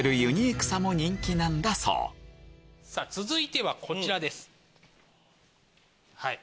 続いてはこちらです。